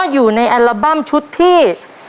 อยู่ในอาราบังชุดที่